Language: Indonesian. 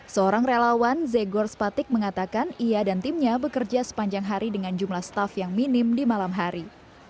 seorang relawan zegor spatic mengatakan ia dan timnya bekerja sepanjang hari dengan jumlah staff yang minim di malam hari